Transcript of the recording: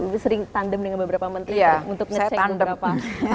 ibu sering tandem dengan beberapa menteri untuk nge check beberapa